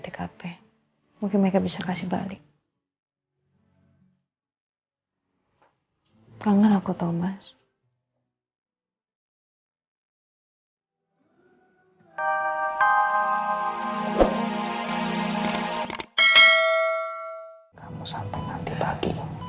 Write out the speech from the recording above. terima kasih sempat pak